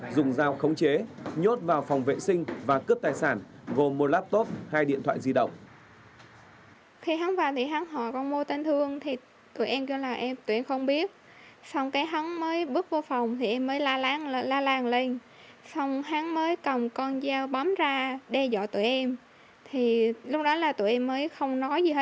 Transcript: dùng dao khống chế nhốt vào phòng vệ sinh và cướp tài sản gồm một laptop hay điện thoại di động